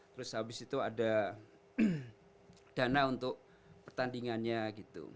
terus habis itu ada dana untuk pertandingannya gitu